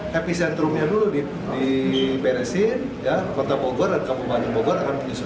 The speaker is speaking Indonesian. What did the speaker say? tapi sentrumnya dulu di peresin kota bogor dan kabupaten bogor